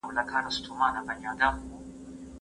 که ته په املا کي د تورو د بڼو په تنوع.